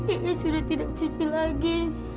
ini sudah tidak cuci lagi